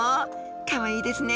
かわいいですね